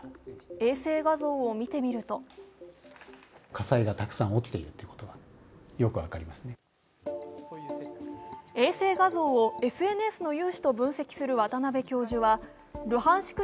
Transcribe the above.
衛星画像を見てみると衛星画像をＳＮＳの有志と分析する渡邉教授はルハンシク